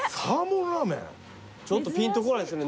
ちょっとぴんとこないですよね。